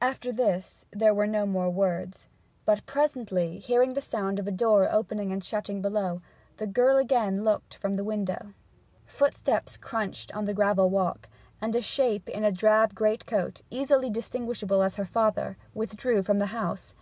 After this there were no more words; but presently, hearing the sound of a door opening and shutting below, the girl again looked from the window. Footsteps crunched on the gravel walk, and a shape in a drab greatcoat, easily distinguishable as her father, withdrew from the house.